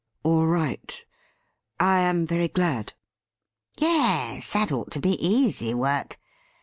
' All right. I am very glad.' ' Yes ; that ought to be easy work.